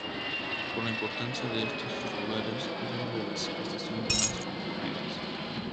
Por la importancia de estos tres lugares, es una de las estaciones más concurridas.